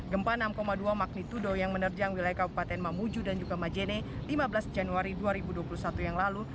gempa enam dua magnitudo yang menerjang wilayah kabupaten mamuju dan juga majene lima belas januari dua ribu dua puluh satu yang lalu